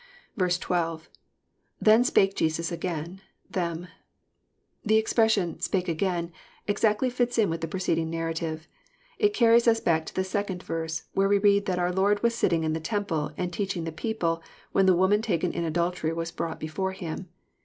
12. — lT?ien spake Jesus again.„them.'] The expression *' spake again " exactly fits In with the preceding narrative. It carries us back to the 2nd verse, where we read that our Lord was sit ting in the temple and teaching the people, when the woman taken In adultery was brought before Him.